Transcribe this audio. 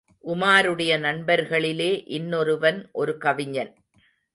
உமாருடைய நண்பர்களிலே இன்னொருவன் ஒரு கவிஞன்.